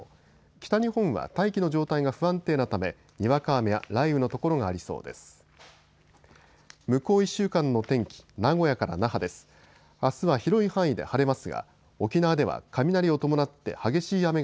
北日本は大気の状態が不安定なため、にわか雨や雷雨の所がありそうです。